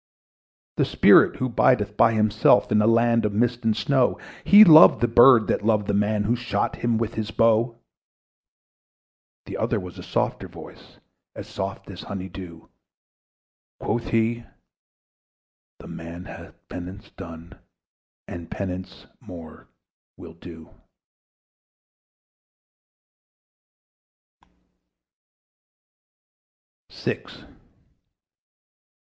"The spirit who bideth by himself In the land of mist and snow, He loved the bird that loved the man Who shot him with his bow." The other was a softer voice, As soft as honey dew: Quoth he, "The man hath penance done, And penance more will do." PART THE SIXTH.